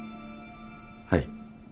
はい。